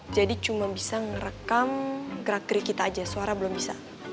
jadi cuma bisa ngerekam gerak gerik kita aja suara belum bisa